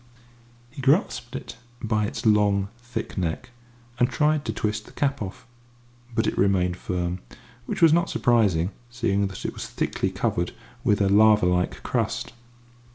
He grasped it by its long, thick neck, and tried to twist the cap off; but it remained firm, which was not surprising, seeing that it was thickly coated with a lava like crust.